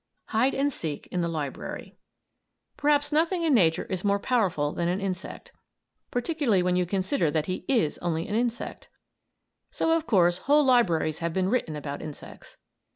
HIDE AND SEEK IN THE LIBRARY Perhaps nothing in nature is more wonderful than an insect; particularly when you consider that he is only an insect! So, of course, whole libraries have been written about insects.